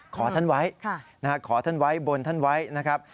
ขอท่านไว้ขอท่านไว้บนท่านไว้นะครับ